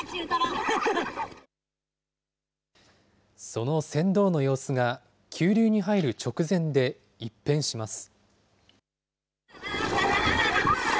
その船頭の様子が、急流に入る直前で一変します。